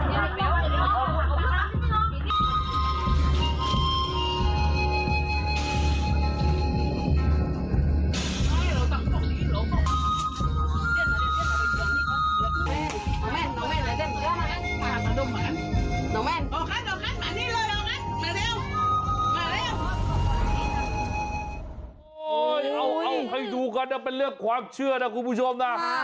เอาให้ดูกันนะเป็นเรื่องความเชื่อนะคุณผู้ชมนะ